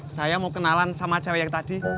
saya mau kenalan sama cewek yang tadi